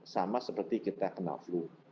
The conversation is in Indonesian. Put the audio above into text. sama seperti kita kena flu